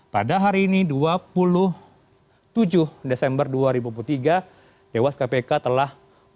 pada hari ini dua puluh tujuh desember dua ribu dua puluh tiga dewas kpk telah